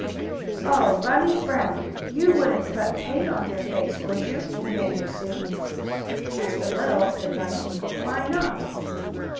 "Oh, Bunny Brown! You wouldn't put paint on your face; would you?" demanded Sue. "Just a little," said Bunny. "Why not?"